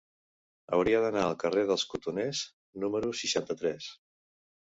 Hauria d'anar al carrer dels Cotoners número seixanta-tres.